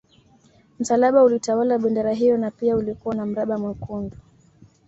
Msalaba ulitawala bendera hiyo na pia ulikuwa na mraba mwekundu